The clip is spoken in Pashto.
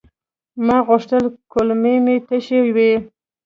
ما غوښتل کولمې مې تشي وي.